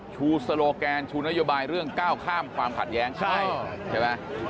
ชูสโลแกนชูนโยบายเรื่อง๙ข้ามความขัดแย้งใช่ไหม